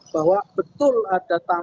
bahwa betul ada tamu